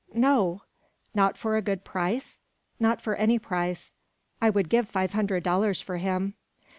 "No." "Not for a good price?" "Not for any price." "I would give five hundred dollars for him."